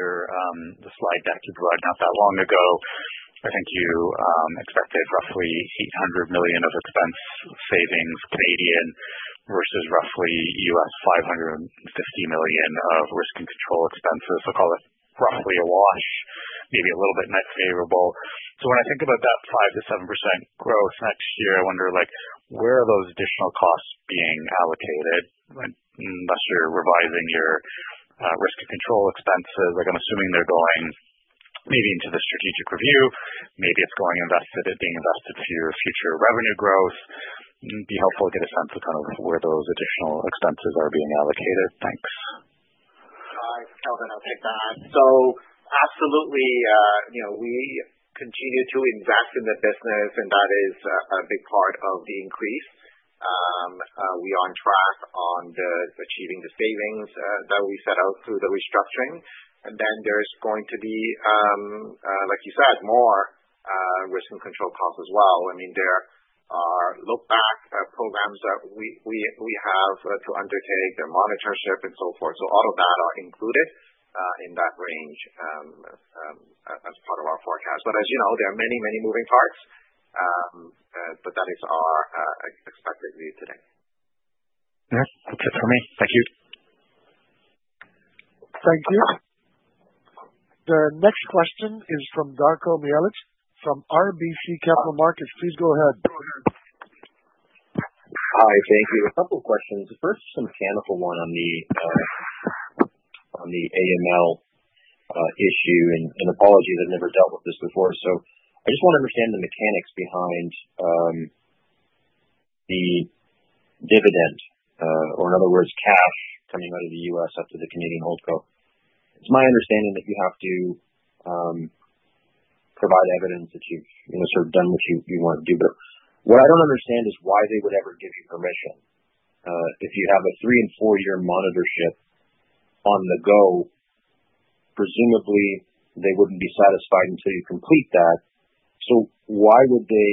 the slide deck you provided not that long ago, I think you expected roughly 800 million of expense savings versus roughly $550 million of risk and control expenses. I'll call it roughly a wash, maybe a little bit net favorable. So when I think about that 5%-7% growth next year, I wonder where are those additional costs being allocated unless you're revising your risk and control expenses? I'm assuming they're going maybe into the strategic review. Maybe it's going invested, it being invested for your future revenue growth. It'd be helpful to get a sense of kind of where those additional expenses are being allocated. Thanks. Kelvin, I'll take that. So absolutely, we continue to invest in the business, and that is a big part of the increase. We are on track on achieving the savings that we set out through the restructuring. And then there's going to be, like you said, more risk and control costs as well. I mean, there are look-back programs that we have to undertake, there monitorship, and so forth. So all of that are included in that range as part of our forecast. But as you know, there are many, many moving parts, but that is our expected view today. That's it for me. Thank you. Thank you. The next question is from Darko Mihelic from RBC Capital Markets. Please go ahead. Go ahead. Hi. Thank you. A couple of questions. The first is a mechanical one on the AML issue. And apologies, I've never dealt with this before. I just want to understand the mechanics behind the dividend, or in other words, cash coming out of the U.S. up to the Canadian holding co. It's my understanding that you have to provide evidence that you've sort of done what you want to do. But what I don't understand is why they would ever give you permission. If you have a three- and four-year monitorship on the go, presumably they wouldn't be satisfied until you complete that. Why would they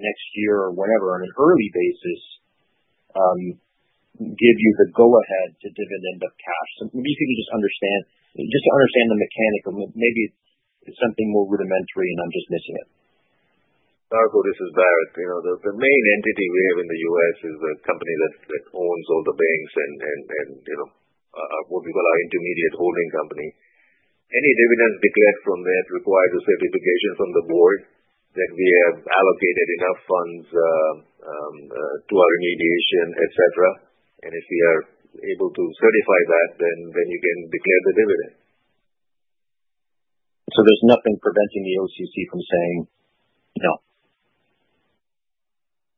next year or whenever on an early basis give you the go-ahead to dividend of cash? Maybe you could just understand the mechanic of maybe it's something more rudimentary, and I'm just missing it. Darko, this is Bharat. The main entity we have in the U.S. is the company that owns all the banks and what we call our intermediate holding company. Any dividends declared from that require a certification from the board that we have allocated enough funds to our remediation, etc. And if we are able to certify that, then you can declare the dividend. So there's nothing preventing the OCC from saying no.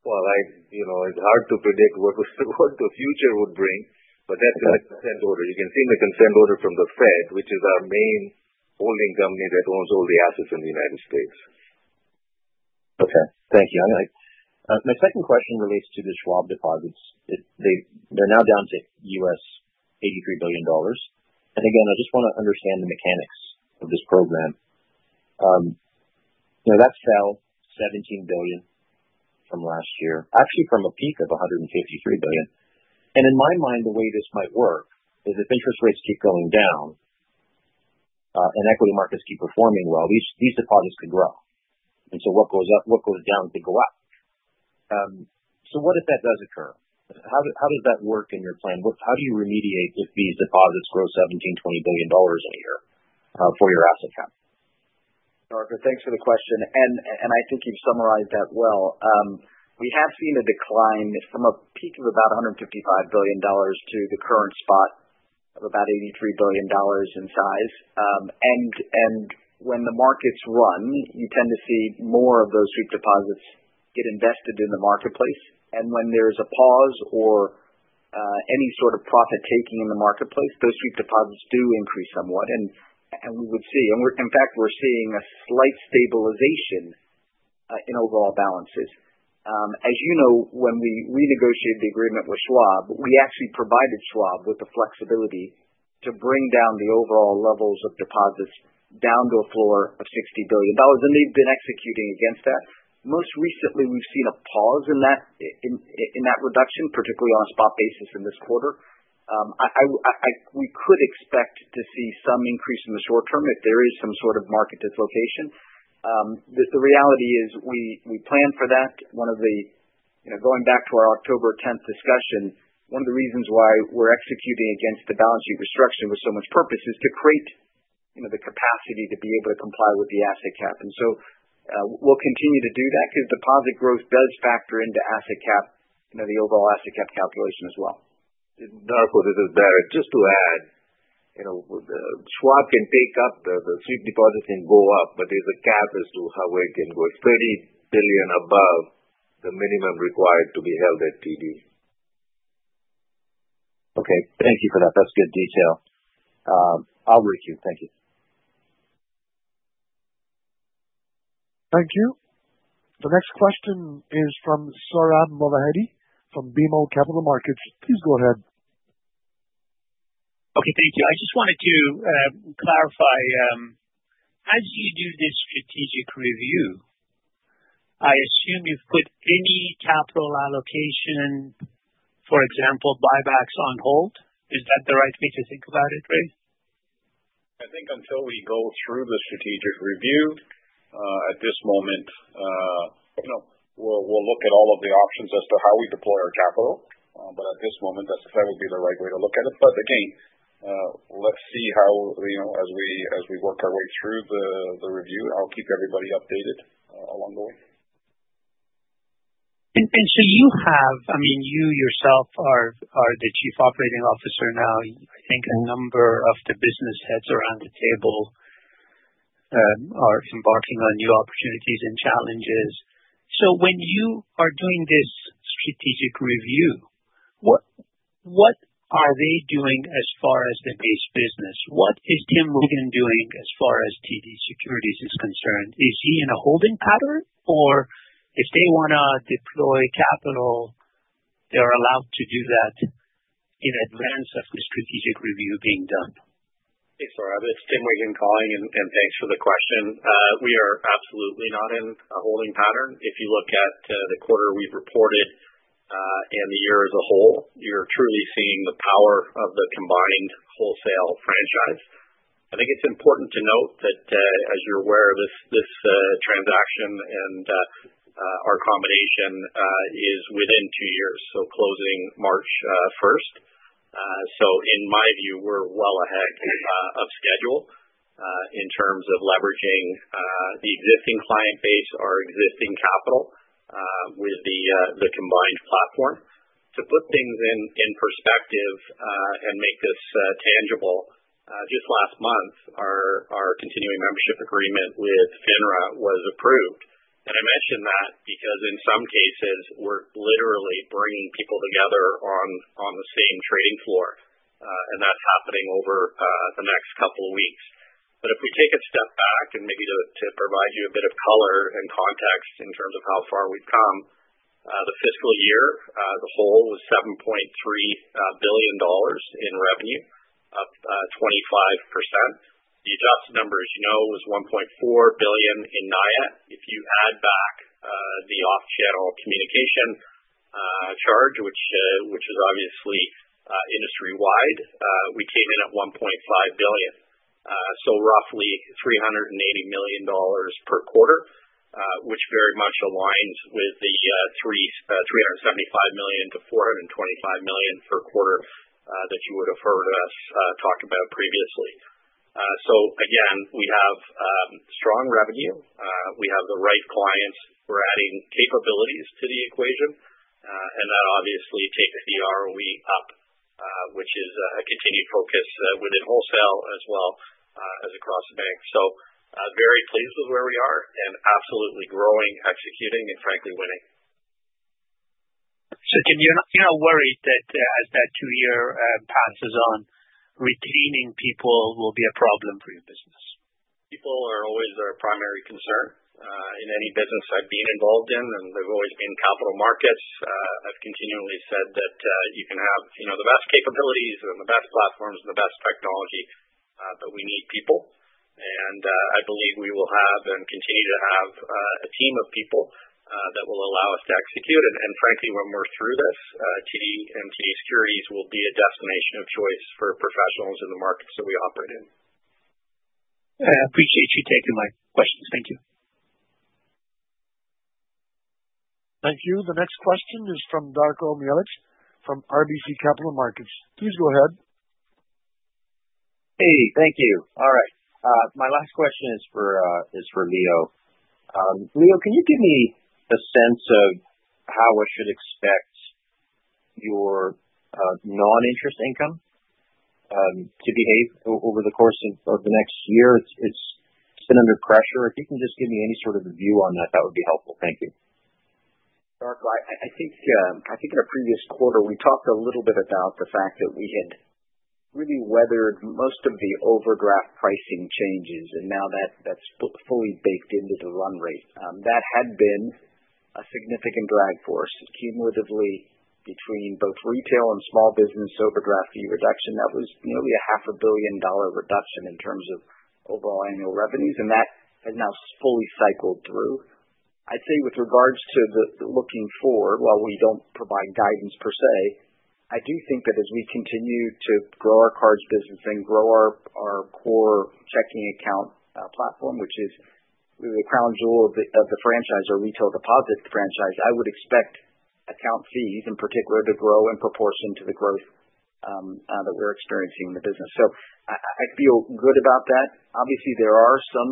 Well, it's hard to predict what the future would bring, but that's in the consent order. You can see in the consent order from the Fed, which is our main holding company that owns all the assets in the United States. Okay. Thank you. My second question relates to the Schwab deposits. They're now down to $83 billion. And again, I just want to understand the mechanics of this program. That fell $17 billion from last year, actually from a peak of $153 billion. In my mind, the way this might work is if interest rates keep going down and equity markets keep performing well, these deposits could grow. And so what goes down could go up. So what if that does occur? How does that work in your plan? How do you remediate if these deposits grow $17-$20 billion in a year for your asset cap? Darko, thanks for the question. And I think you've summarized that well. We have seen a decline from a peak of about $155 billion to the current spot of about $83 billion in size. And when the markets run, you tend to see more of those sweep deposits get invested in the marketplace. And when there is a pause or any sort of profit-taking in the marketplace, those sweep deposits do increase somewhat. We would see in fact, we're seeing a slight stabilization in overall balances. As you know, when we renegotiated the agreement with Schwab, we actually provided Schwab with the flexibility to bring down the overall levels of deposits down to a floor of $60 billion. They've been executing against that. Most recently, we've seen a pause in that reduction, particularly on a spot basis in this quarter. We could expect to see some increase in the short term if there is some sort of market dislocation. The reality is we plan for that. One of the going back to our October 10th discussion, one of the reasons why we're executing against the balance sheet restructuring with so much purpose is to create the capacity to be able to comply with the asset cap. We'll continue to do that because deposit growth does factor into asset cap, the overall asset cap calculation as well. Darko, this is Bharat. Just to add, Schwab can take up the sweep deposits and go up, but there's a cap as to how well it can go: $30 billion above the minimum required to be held at TD. Okay. Thank you for that. That's good detail. I'll turn it back to you. Thank you. Thank you. The next question is from Sohrab Movahedi from BMO Capital Markets. Please go ahead. Okay. Thank you. I just wanted to clarify, as you do this strategic review, I assume you've put any capital allocation, for example, buybacks on hold. Is that the right way to think about it, Ray? I think until we go through the strategic review at this moment, we'll look at all of the options as to how we deploy our capital. But at this moment, that would be the right way to look at it. But again, let's see how as we work our way through the review. I'll keep everybody updated along the way. And so you have I mean, you yourself are the Chief Operating Officer now. I think a number of the business heads around the table are embarking on new opportunities and challenges. So when you are doing this strategic review, what are they doing as far as the base business? What is Tim Wiggan doing as far as TD Securities is concerned? Is he in a holding pattern? Or if they want to deploy capital, they're allowed to do that in advance of the strategic review being done? Thanks, Sohrab. It's Tim Wiggan calling, and thanks for the question. We are absolutely not in a holding pattern. If you look at the quarter we've reported and the year as a whole, you're truly seeing the power of the combined wholesale franchise. I think it's important to note that, as you're aware, this transaction and our combination is within two years, so closing March 1st. So in my view, we're well ahead of schedule in terms of leveraging the existing client base, our existing capital with the combined platform. To put things in perspective and make this tangible, just last month, our continuing membership agreement with FINRA was approved. And I mention that because in some cases, we're literally bringing people together on the same trading floor. And that's happening over the next couple of weeks. But if we take a step back and maybe to provide you a bit of color and context in terms of how far we've come, the fiscal year as a whole was 7.3 billion dollars in revenue, up 25%. The adjusted number, as you know, was 1.4 billion in NIAT. If you add back the off-channel communication charge, which is obviously industry-wide, we came in at 1.5 billion. So roughly 380 million dollars per quarter, which very much aligns with the 375 million-425 million per quarter that you would have heard us talk about previously. So again, we have strong revenue. We have the right clients. We're adding capabilities to the equation. And that obviously takes the ROE up, which is a continued focus within wholesale as well as across the bank. So very pleased with where we are and absolutely growing, executing, and frankly winning. So you're not worried that as that two-year passes on, retaining people will be a problem for your business? People are always our primary concern. In any business I've been involved in, and they've always been capital markets, I've continually said that you can have the best capabilities and the best platforms and the best technology, but we need people. And I believe we will have and continue to have a team of people that will allow us to execute. And frankly, when we're through this, TD and TD Securities will be a destination of choice for professionals in the markets that we operate in. I appreciate you taking my questions. Thank you. Thank you. The next question is from Darko Mihelic from RBC Capital Markets. Please go ahead. Hey. Thank you. All right. My last question is for Leo. Leo, can you give me a sense of how I should expect your non-interest income to behave over the course of the next year? It's been under pressure. If you can just give me any sort of view on that, that would be helpful. Thank you. Darko, I think in a previous quarter, we talked a little bit about the fact that we had really weathered most of the overdraft pricing changes, and now that's fully baked into the run rate. That had been a significant drag for us cumulatively between both retail and small business overdraft fee reduction. That was nearly 500 million dollar reduction in terms of overall annual revenues, and that has now fully cycled through. I'd say with regards to the looking forward, while we don't provide guidance per se, I do think that as we continue to grow our cards business and grow our core checking account platform, which is really the crown jewel of the franchise, our retail deposit franchise, I would expect account fees in particular to grow in proportion to the growth that we're experiencing in the business. So I feel good about that. Obviously, there are some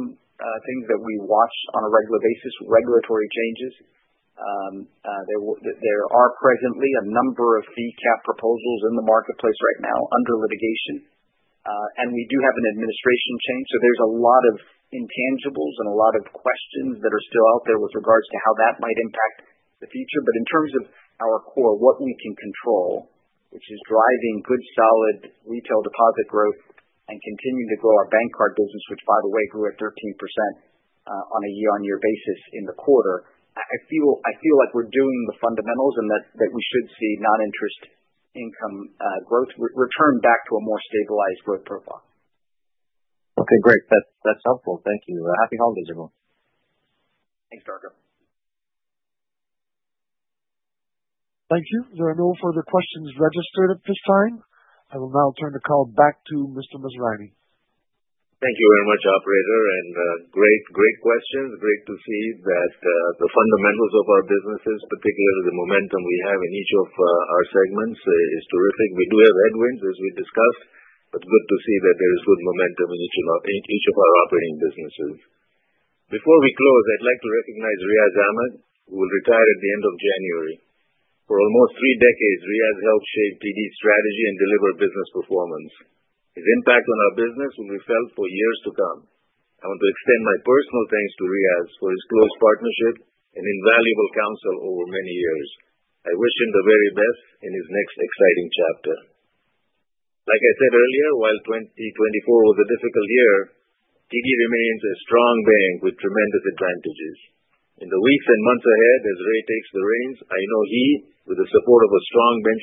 things that we watch on a regular basis, regulatory changes. There are presently a number of fee cap proposals in the marketplace right now under litigation. And we do have an administration change. So there's a lot of intangibles and a lot of questions that are still out there with regards to how that might impact the future. But in terms of our core, what we can control, which is driving good solid retail deposit growth and continuing to grow our bank card business, which by the way grew at 13% on a year-over-year basis in the quarter, I feel like we're doing the fundamentals and that we should see non-interest income growth return back to a more stabilized growth profile. Okay. Great. That's helpful. Thank you. Happy holidays everyone. Thanks, Darko. Thank you. There are no further questions registered at this time. I will now turn the call back to Mr. Masrani. Thank you very much, Operator. Great questions. Great to see that the fundamentals of our businesses, particularly the momentum we have in each of our segments, is terrific. We do have headwinds as we discussed, but good to see that there is good momentum in each of our operating businesses. Before we close, I'd like to recognize Riaz Ahmed, who will retire at the end of January. For almost three decades, Riaz helped shape TD's strategy and deliver business performance. His impact on our business will be felt for years to come. I want to extend my personal thanks to Riaz for his close partnership and invaluable counsel over many years. I wish him the very best in his next exciting chapter. Like I said earlier, while 2024 was a difficult year, TD remains a strong bank with tremendous advantages. In the weeks and months ahead, as Ray takes the reins, I know he, with the support of a strong bank.